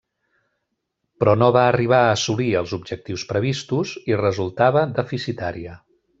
Però no va arribar a assolir els objectius previstos i resultava deficitària.